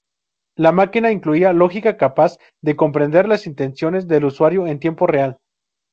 La máquina incluía lógica capaz de comprender las intenciones del usuario en tiempo real.